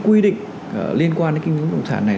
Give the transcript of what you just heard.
quy định liên quan đến kinh doanh bất động sản này